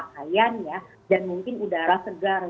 mungkin bahan kaya dan mungkin udara segar